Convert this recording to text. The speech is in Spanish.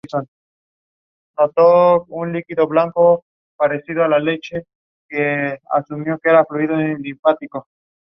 Es el co-creador y co-fundador de "Mortal Kombat", junto a John Tobias.